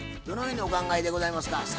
どのようにお考えでございますか？